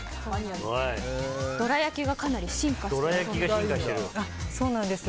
どら焼きがかなり進化しているそうなんです。